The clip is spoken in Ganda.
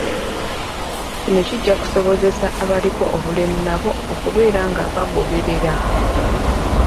Kino kijja kusobozesa abaliko obulemu nabo okubeera nga bagoberera.